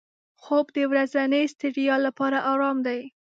خوب د ورځني ستړیا لپاره آرام دی